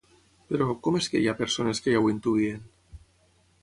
Però, com és que hi ha persones que ja ho intuïen?